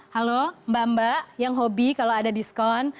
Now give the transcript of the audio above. halo mbak mbak yang hobi kalau ada diskon